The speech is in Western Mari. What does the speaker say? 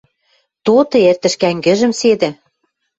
— Тоты, эртӹш кӓнгӹжӹм, седӹ...